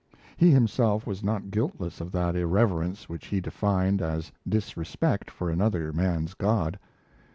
He himself was not guiltless of that irreverence which he defined as disrespect for another man's god.